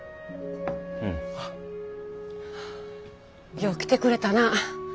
よう来てくれたなぁ。